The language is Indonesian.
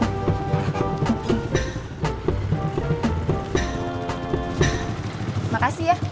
terima kasih ya